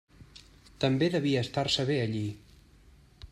També devia estar-se bé allí.